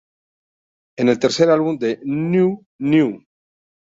En el tercer álbum de Neu!, "Neu!